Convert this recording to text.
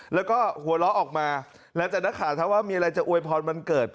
แล้วก็หัวเราะออกมาหลังจากนักข่าวถามว่ามีอะไรจะอวยพรวันเกิด